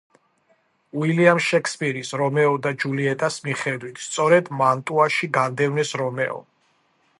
უილიამ შექსპირის რომეო და ჯულიეტას მიხედვით, სწორედ მანტუაში განდევნეს რომეო.